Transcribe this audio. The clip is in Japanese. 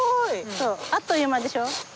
そうあっという間でしょ。